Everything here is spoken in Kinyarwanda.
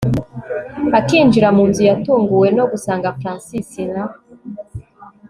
akinjira munzu yatunguwe nogusanga Francis na